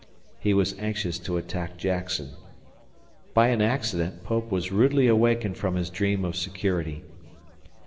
He was anxious to attack Jackson. By an accident Pope was rudely awakened from his dream of security.